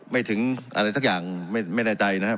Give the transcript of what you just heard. ไม่ถึงอะไรสักอย่างไม่แน่ใจนะครับ